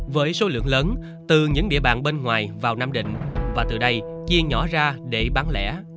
với số lượng lớn từ những địa bàn bên ngoài vào nam định và từ đây chia nhỏ ra để bán lẻ